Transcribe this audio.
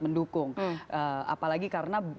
mendukung apalagi karena